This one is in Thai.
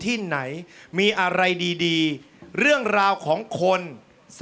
ออกออกออกออกออกออกออกออกออกออก